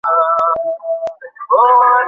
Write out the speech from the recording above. মিডিয়ার লোক এসেছে।